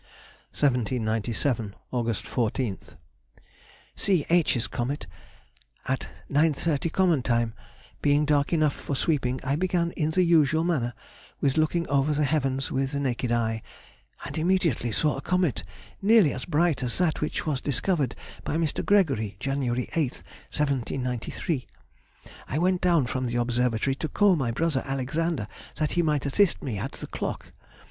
1797. Aug. 14th.—C. H.'s comet. At 9.30 common time, being dark enough for sweeping, I began in the usual manner with looking over the heavens with the naked eye, and immediately saw a comet nearly as bright as that which was discovered by Mr. Gregory, January 8, 1793. I went down from the observatory to call my brother Alexander, that he might assist me at the clock.